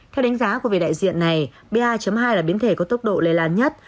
theo đánh giá của vị đại diện này ba hai là biến thể có tốc độ lây lan nhất